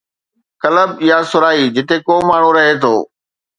Club يا سرائي جتي ڪو ماڻهو رهي ٿو.